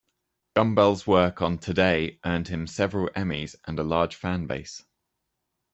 Gumbel's work on "Today" earned him several Emmys and a large fanbase.